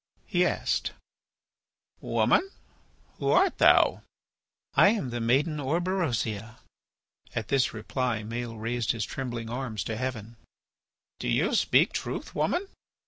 He asked: "Woman, who art thou?" "I am the maiden Orberosia." At this reply Maël raised his trembling arms to heaven. "Do you speak truth, woman?